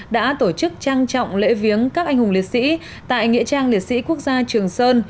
đã tổ chức trang trọng lễ viếng các anh hùng liệt sĩ tại nghĩa trang liệt sĩ quốc gia trường sơn